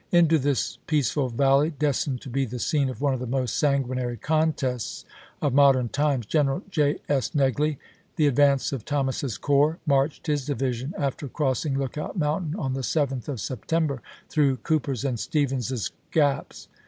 Into this peaceful valley, destined to be the scene of one of the most sanguinary contests of modern times. General J. S. Negley, the advance of Thomas's corps, marched his division, after cross 1863. ing Lookout Mountain on the 7th of September, through Cooper's and Stevens's Gaps.